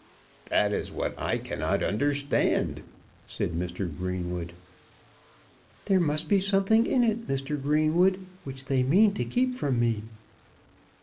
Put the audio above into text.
"That is what I cannot understand," said Mr. Greenwood. "There must be something in it, Mr. Greenwood, which they mean to keep from me."